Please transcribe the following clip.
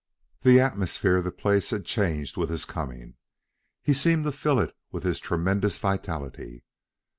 The atmosphere of the place changed with his coming. He seemed to fill it with his tremendous vitality.